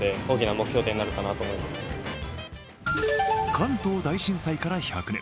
関東大震災から１００年。